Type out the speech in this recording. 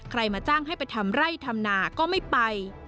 มาจ้างให้ไปทำไร่ทำนาก็ไม่ไป